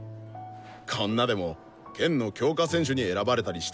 こんなでも県の強化選手に選ばれたりしてたんですよ。